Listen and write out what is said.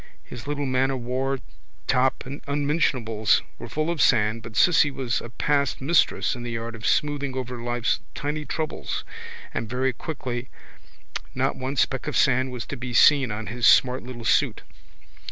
His little man o' war top and unmentionables were full of sand but Cissy was a past mistress in the art of smoothing over life's tiny troubles and very quickly not one speck of sand was to be seen on his smart little suit.